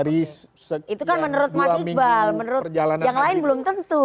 itu kan menurut mas iqbal menurut yang lain belum tentu